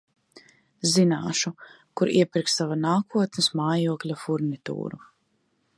Zināšu, kur iepirkt sava nākotnes mājokļa furnitūru.